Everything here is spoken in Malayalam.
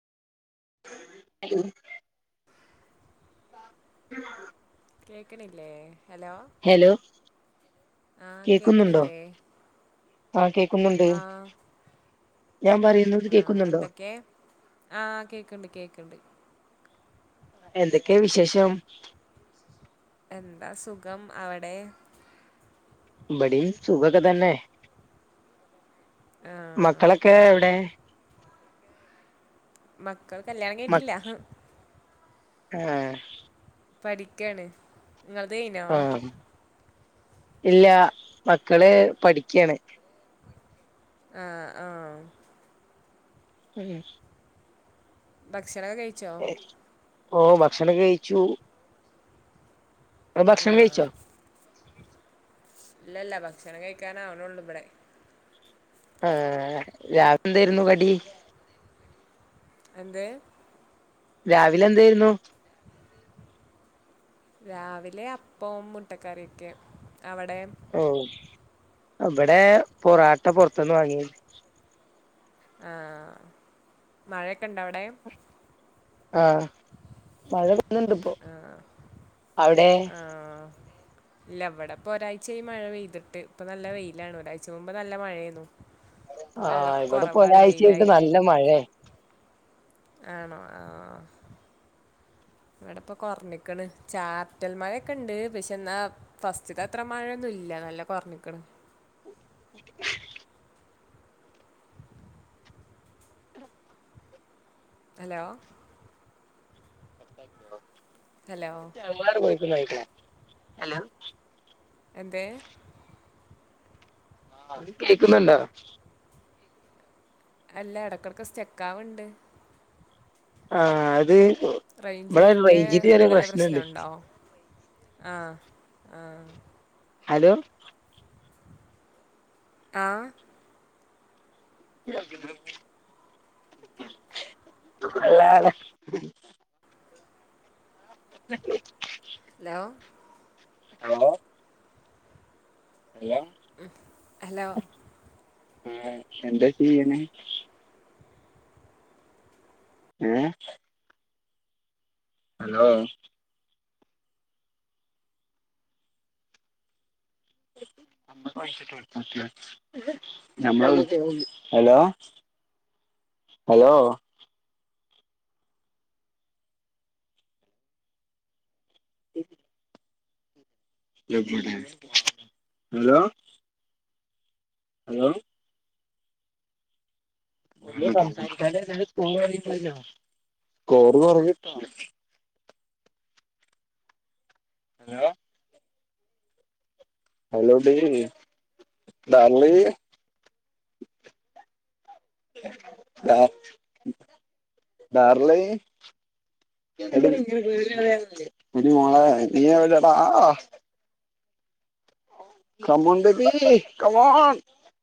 ഉ [inaudible] ഉ [inaudible] കേക്കണില്ലേ ഹലോ ഹെലോ ആ കേക്കുന്നുണ്ടോ? കേക്കണില്ലേ ആഹ്! കേക്കുന്നുണ്ട്! ഞാൻ പറയുന്നത് ആഹ് കേക്കുന്നുണ്ടോ എന്തൊക്കെ? ആഹ് കേക്കുന്നുണ്ട് കേക്കുന്നുണ്ട്. എന്തൊക്കെയ വിശേഷം? എന്താ? സുഖം! അവിടെ? ഇബടേം സുഖൊക്കെ തന്നെ. ആ മക്കളൊക്കെ എവിടെ? മക്കൾ കല്യാണം മ കഴിട്ടില്ല. ആഹ് പഠിക്കാണ് നിങ്ങളത് കഞ്ഞോ? ആഹ് ഇല്ല. മക്കള് പഠിക്കയാണ്. ആഹ് ആഹ് ഉം ഭക്ഷണം കഴിച്ചോ? ഓ! ഭക്ഷണം കഴിച്ചു! ആ ഭക്ഷണം കഴിച്ചോ? ഇല്ലല്ല! ഭക്ഷണം കഴിക്കാനാവണള്ളു. ഇവിടെ! ആഹ് രാവിലെ എന്തായിരുന്നു കടി? എന്ത്? രാവിലെ എന്തായിരുന്നു? രാവിലെ അപ്പം മുട്ടക്കറിയൊക്കെ! അവിടെ? ഓ ഇവിടെ പൊറാട്ട പൊറത്തുന്ന് വാങ്ങി! ആഹ്! മഴയൊക്കെ ഉണ്ടോ അവിടെ? ആഹ്! മഴ വെന്നണ്ട് ഇപ്പോ ആ അവിടെ? ആ ഇല്ല ഇവിടെപ്പ ഒരാഴ്ചായി മഴ പെയ്തിട്ട്. ഇപ്പൊ നല്ല വെയിലാണ് ഒരാഴ്ച മുമ്പ് നല്ല മഴയന്നു. ആഹ്! ഇവിടെ ഇപ്പോ ഒരാഴ്ചായിട്ട് വെയിലായിട്ട് നല്ല മഴയ! ആണോ? ആഹ്! [unintelligible] ഇവിടെ ഇപ്പൊ കൊറഞ്ഞിക്കണ് ചാർറ്റൽ മഴയൊക്കെ ഉണ്ട്. പക്ഷെ എന്നാ ഫസ്റ്റ് അത്ര മഴയൊന്നുംല്ല. നല്ല കുറഞ്ഞിക്കണ് [unintelligible] ഹലോ! ഹലോ [unintelligible] എന്തേ? [unintelligible] അല്ല ഇടക്കിടക്ക് സ്റ്റെക്കാവുന്നുണ്ട്! ആഹ്! അത്! ഇവിടെ റേഞ്ചിന്റെ റേഞ്ചിന് ചെറിയ വല്ല പ്രശ്നണ്ട് പ്രശ്നുണ്ടോ? ആഹ്! ആഹ്! ഹലോ! ആഹ്! [unintelligible] [unintelligible] [unintelligible] Hello hello! ഹലോ! ആഹ്! എന്താ ചെയ്യണെ? ഏ? ഹലോ! [unintelligible] ഞമ്മള് ഹലോ! ഹലോ [unintelligible] [unintelligible] ഹലോ ഹലോ [unintelligible] സംസാരിക്കാതിരുന്നാൽ പോയിനേ കോറ് കുറഞ്ഞി ട്ടോ ഹലോ ഹലോ ലി [unintelligible] ബാർലി [unintelligible] ഒരു മോളെ നീ ടാ കമോണ്ദേവി കമോൺ